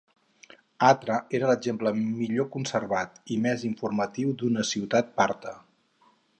Hatra era l'exemple millor conservat i més informatiu d'una ciutat parta.